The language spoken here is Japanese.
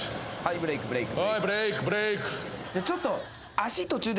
ブレークブレーク。